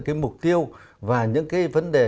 cái mục tiêu và những cái vấn đề